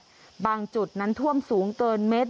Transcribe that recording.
น้ำป่าเสดกิ่งไม้แม่ระมาศ